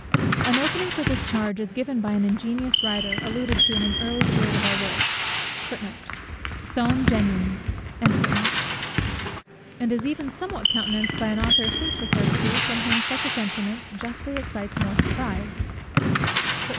An opening for this charge is given by an ingenious writer alluded to in an early period of our work; and is even somewhat countenanced by an author since referred to, from whom such a sentiment justly excites more surprise.